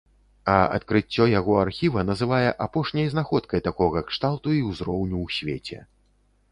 А адкрыццё яго архіва называе апошняй знаходкай такога кшталту і ўзроўню ў свеце.